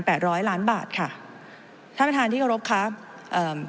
ร้อยล้านบาทค่ะท่านประธานที่เคารพครับเอ่อ